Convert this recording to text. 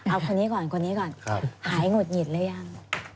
เอาคนนี้ก่อนคนนี้ก่อนหายหงุดหงิดหรือยัง